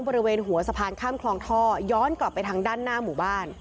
บริเวณหัวสะพานข้ามคลองท่อย้อนกลับไปทางด้านหน้าหมู่บ้าน